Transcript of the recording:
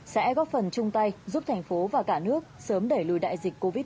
sẽ góp phần chung tay giúp thành phố và cả nước sớm đẩy lùi đại dịch covid một mươi chín